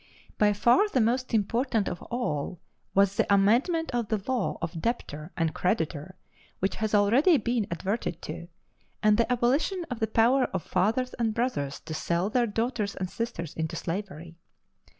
By far the most important of all was the amendment of the law of debtor and creditor which has already been adverted to, and the abolition of the power of fathers and brothers to sell their daughters and sisters into slavery.